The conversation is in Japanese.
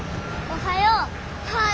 おはよう。